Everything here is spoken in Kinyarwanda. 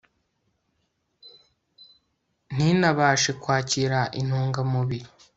ntinabashe kwakira intunga mubiri